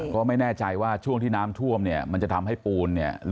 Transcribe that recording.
ก็ไม่แน่ใจว่าช่วงที่น้ำท่วมเนี่ยมันจะทำให้ปูนเนี่ย